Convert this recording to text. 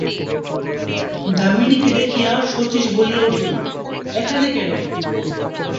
দামিনীকে দেখিয়া শচীশ বলিয়া উঠিল, এখানে কেন?